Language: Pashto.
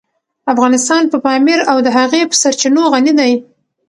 افغانستان په پامیر او د هغې په سرچینو غني دی.